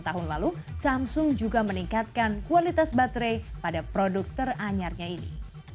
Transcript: tahun lalu samsung juga meningkatkan kualitas baterai pada produk teranyarnya ini